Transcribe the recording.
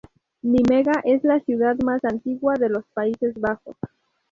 Nimega es la ciudad más antigua de los Países Bajos.